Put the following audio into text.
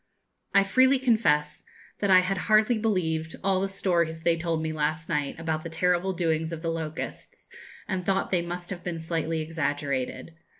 I freely confess that I had hardly believed all the stories they told me last night about the terrible doings of the locusts, and thought they must have been slightly exaggerated.